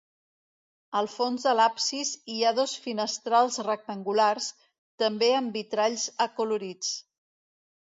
Al fons de l'absis hi ha dos finestrals rectangulars, també amb vitralls acolorits.